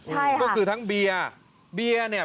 ก็คือทั้งเบียร์